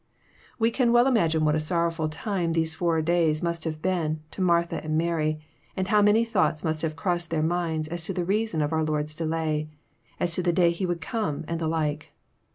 We can well imagine what a sorrowful time those four days must have been to Martha and Mary, and how many thonghts must have crossed their minds as to the reason of our Lord's delay, as to the day He would come, and the like.